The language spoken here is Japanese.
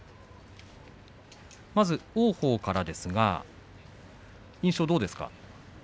まず王鵬ですが印象どうですか。